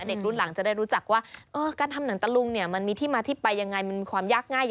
เด็กรุ่นหลังได้รู้จักว่าการทำหนังตะลุงมีที่มาที่ไปยังไง